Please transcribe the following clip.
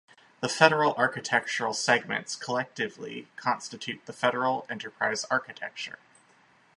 These federal architectural segments collectively constitute the federal enterprise architecture.